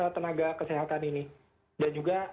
tenaga kesehatan ini dan juga